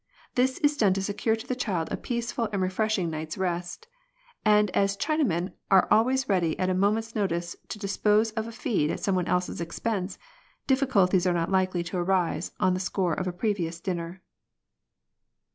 This is done to secure to the child a peaceful and refreshing night's rest ; and as Chinamen are always ready at a moment's notice to dispose of a feed at somebody else's expense, difiiculties are not likely to arise on a score of a previous dinner.